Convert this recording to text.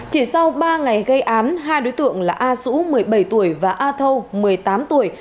chỉ sau ba ngày gây án hai đối tượng là a sú một mươi bảy tuổi và a thâu một mươi tám tuổi